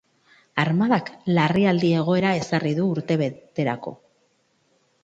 Armadak larrialdi-egoera ezarri du urtebeterako.